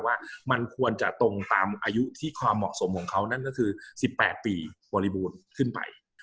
ว่ามันควรจะตรงตามอายุที่ความเหมาะสมของเขานั่นก็คือ๑๘ปีบริบูรณ์ขึ้นไป